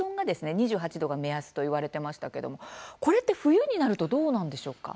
２８℃が目安と言われてましたけどもこれって冬になるとどうなんでしょうか？